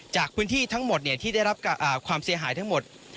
จากพื้นที่ทั้งหมดที่ได้รับความเสียหายทั้งหมด